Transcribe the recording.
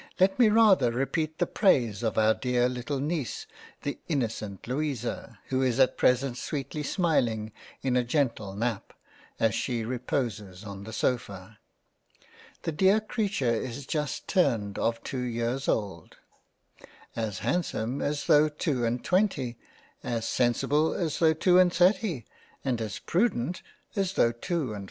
Let me rather repeat the praise of our dear little Neice the innocent Louisa, who is at present sweetly smiling in a gentle Nap, as she re poses on the sofa. The dear Creature is just turned of two years old ; as handsome as tho' 2 and 20, as sensible as tho' 2 and 30, and as prudent as tho' 2 and 40.